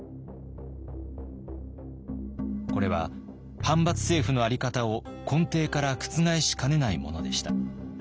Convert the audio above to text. これは藩閥政府の在り方を根底から覆しかねないものでした。